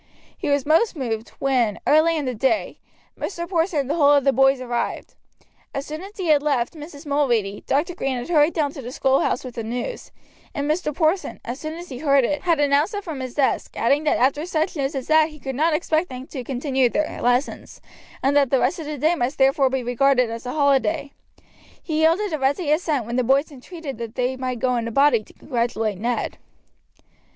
He was most moved when, early in the day, Mr. Porson and the whole of the boys arrived. As soon as he had left Mrs. Mulready, Dr. Green had hurried down to the schoolhouse with the news, and Mr. Porson, as soon as he heard it, had announced it from his desk, adding that after such news as that he could not expect them to continue their lessons, and that the rest of the day must therefore be regarded as a holiday. He yielded a ready assent when the boys entreated that they might go in a body to congratulate Ned.